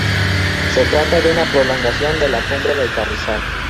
Se trata de una prolongación de la Cumbre del Carrizal.